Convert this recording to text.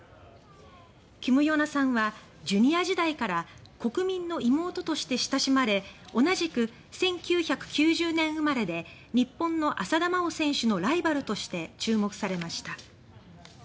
キム・ヨナさんはジュニア時代から「国民の妹」として親しまれ同じく１９９０年生まれで日本の浅田真央選手のライバルとして注目されました。